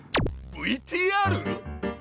ＶＴＲ！？